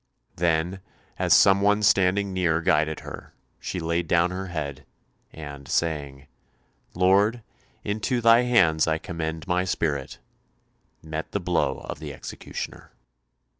Then, as some one standing near guided her, she laid down her head, and saying, "Lord, into Thy hands I commend my spirit," met the blow of the executioner.